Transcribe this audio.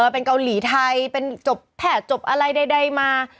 เป็นเกาหลีไทยเป็นจบแถบจบอะไรใดมา